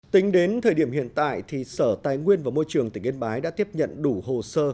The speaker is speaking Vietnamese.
tính đến thời điểm hiện tại thì sở tài nguyên và môi trường tỉnh yên bái đã tiếp nhận đủ hồ sơ